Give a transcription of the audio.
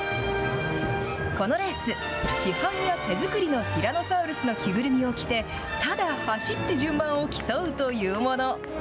このレース、市販や手作りのティラノサウルスの着ぐるみを着て、ただ走って順番を競うというもの。